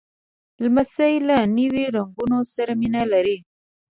لمسی له نوي رنګونو سره مینه لري.